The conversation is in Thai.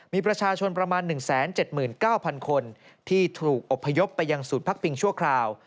มีประชาชนประมาณ๑๗๙๐๐คนที่ถูกอบพยพไปยังศูนย์พักพิงชั่วคราว